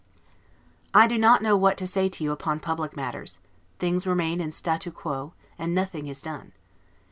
I do not know what to say to you upon public matters; things remain in 'statu quo', and nothing is done.